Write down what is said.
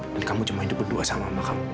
dan kamu cuma hidup berdua sama mama kamu